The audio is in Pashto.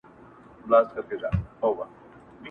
o لا تیاري دي مړې ډېوې نه دي روښانه,